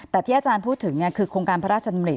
แต่ที่อาจารย์พูดถึงคือโครงการพระราชดำริ